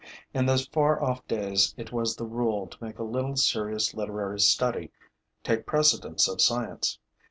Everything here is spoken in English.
In those far off days it was the rule to make a little serious literary study take precedence of science.